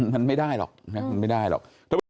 มันไม่ได้หรอก